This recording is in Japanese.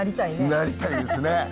なりたいですね。